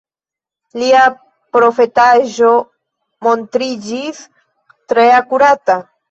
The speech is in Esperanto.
Lia profetaĵo montriĝis tre akurata.